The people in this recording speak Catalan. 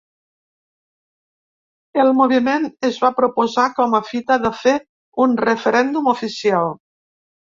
El moviment es va proposar, com a fita, de fer un referèndum oficial.